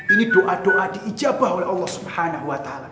ini doa doa diijabah oleh allah swt